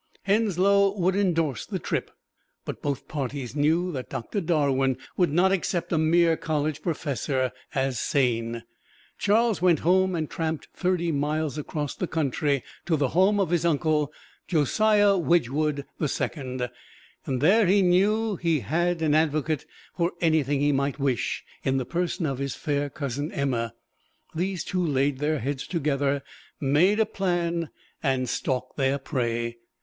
Henslow would endorse the trip, but both parties knew that Doctor Darwin would not accept a mere college professor as sane. Charles went home and tramped thirty miles across the country to the home of his uncle, Josiah Wedgwood the Second. There he knew he had an advocate for anything he might wish, in the person of his fair cousin, Emma. These two laid their heads together, made a plan and stalked their prey.